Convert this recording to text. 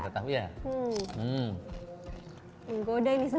goda ini semua